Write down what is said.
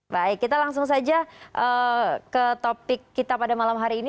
baik kita langsung saja ke topik kita pada malam hari ini